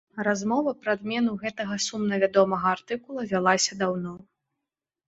Размова пра адмену гэтага сумнавядомага артыкула вялася даўно.